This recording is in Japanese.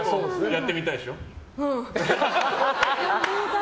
やってみたいでしょ？